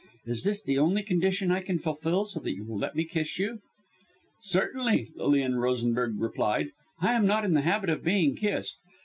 Is this the only condition I can fulfil, so that you will let me kiss you?" "Certainly," Lilian Rosenberg replied. "I am not in the habit of being kissed.